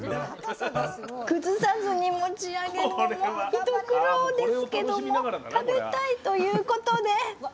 崩さずに持ち上げるのも一苦労ですけども食べたいということで！